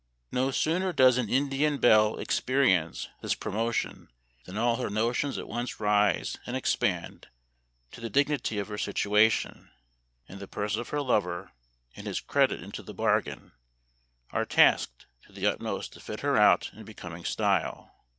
No sooner does an Indian belle experience this promotion than all her notions at once rise and expand to the dignity of her situation ; and the purse of her lover, and his credit into the bargain, are tasked to the utmost to fit her out in becoming style.